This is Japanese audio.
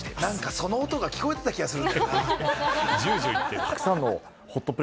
なんかその音が聞こえてきてた気がする。